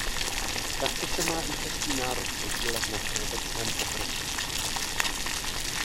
Takto se má i český národ podílet na všeobecném pokroku.